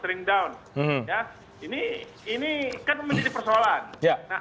ini kan menjadi persoalan